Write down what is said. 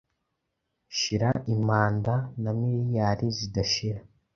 Shira impanda na miriyari zidashira,